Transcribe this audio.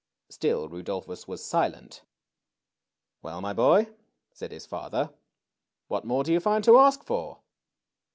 Still Rudolphus was silent. Well, my boy," said his father, ^^what more do you find to ask for